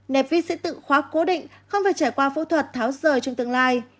nẹp vít sẽ tự khoác cố định không phải trải qua phẫu thuật tháo rời trong tương lai